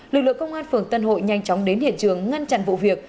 lực lượng công an phường tân hội nhanh chóng đến hiện trường ngăn chặn vụ việc